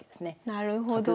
なるほど。